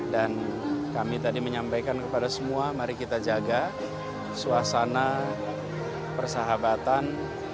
dan kami tadi menyampaikan kepada semua mari kita jaga suasana persahabatan